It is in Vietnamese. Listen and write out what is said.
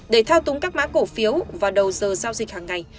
để thao túng các mã cổ phiếu và đầu giờ giao dịch hàng ngày